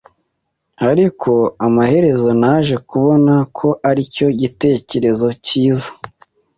Ariko amaherezo naje kubona ko aricyo gitekerezo cyiza.